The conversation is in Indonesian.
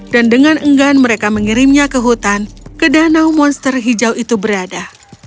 dan dengan enggan mereka mengirimnya ke hutan ke danau monster hijau itu berada